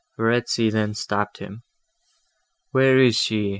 Verezzi then stopped him. "Where is she?